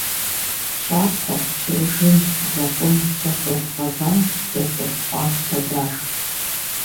Щӏакхъуэ, чыржын, лэкъум, кӏэртӏоф гъэва, кӏэртӏоф пӏастэ дашх.